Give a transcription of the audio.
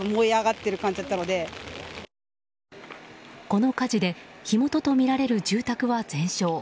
この火事で火元とみられる住宅は全焼。